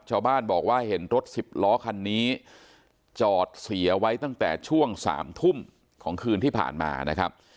ชาวบ้านบอกว่าเห็นรถสิบล้อคันนี้จอดเสียไว้ตั้งแต่ช่วง๓ทุ่มของคืนที่ผ่านมานะครับ